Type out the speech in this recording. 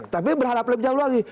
tapi berharap lebih jauh lagi